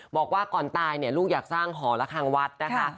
บอกว่าก่อนตายลูกอยากสร้างหอระคางวัด